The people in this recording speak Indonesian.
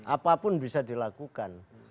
apapun bisa dilakukan